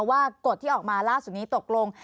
กฎที่ออกมาล่าสุดนี้ตกลง